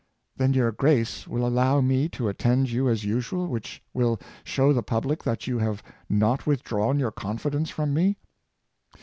" Then, your grace will allow me to attend you as usual, which will show the public that you have not withdrawn your confidence from me?"